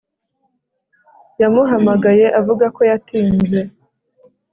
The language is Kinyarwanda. yamuhamagaye avuga ko yatinze